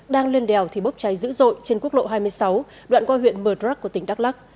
đang lên đèo thì bốc cháy dữ dội trên quốc lộ hai mươi sáu đoạn qua huyện mờ đắc của tỉnh đắk lắc